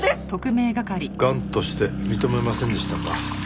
頑として認めませんでしたか。